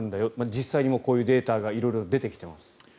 実際にこういうデータが色々出てきています。